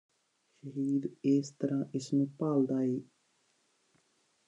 ਸ਼ਹੀਦ ਏਸ ਤਰਾਂ ਇਸ ਨੂੰ ਭਾਲਦਾ ਏ